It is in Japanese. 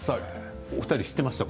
お二人知っていましたか？